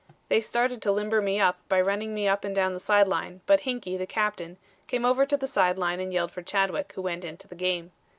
They started to limber me up by running me up and down the side line, but Hinkey, the captain, came over to the side line and yelled for Chadwick, who went into the game.